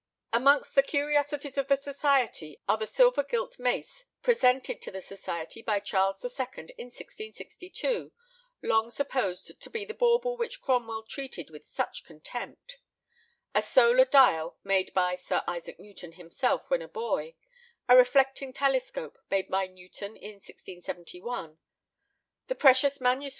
Amongst the curiosities of the society are the silver gilt mace presented to the society by Charles II. in 1662 (long supposed to be the bauble which Cromwell treated with such contempt); a solar dial, made by Sir Isaac Newton himself when a boy; a reflecting telescope, made by Newton in 1671; the precious MS.